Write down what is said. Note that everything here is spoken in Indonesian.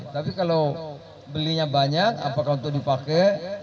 tapi kalau belinya banyak apakah untuk dipakai